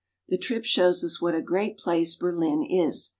The trip shows us what a great place Berlin is.